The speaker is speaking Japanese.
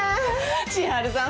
千春さん